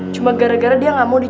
cuma gara gara dia gak mau dicodong